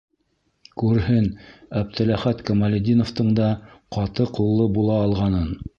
Күрһен Әптеләхәт Камалетдиновтың да ҡаты ҡуллы була алғанын!